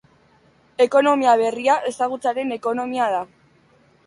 Ekonomia berria ezagutzaren ekonomia da.